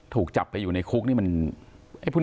ถูกจับไปอยู่ในคุกนี่มัน